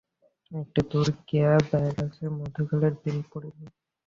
একটু দূরে গিয়া ব্যারাসে-মধুখালির বিল পড়িল।